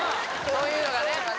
そういうのがね